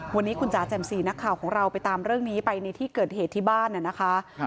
วันนี้คุณจ๋าแจ่มสีนักข่าวของเราไปตามเรื่องนี้ไปในที่เกิดเหตุที่บ้านนะคะ